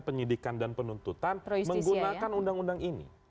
penyidikan dan penuntutan menggunakan undang undang ini